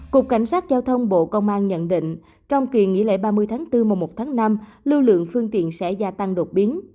cục cảnh sát giao thông bộ công an nhận định trong kỳ nghỉ lễ ba mươi tháng bốn mùa một tháng năm lưu lượng phương tiện sẽ gia tăng đột biến